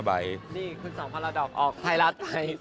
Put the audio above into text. นี่คุณสองพระดอกออกไทรัฐไป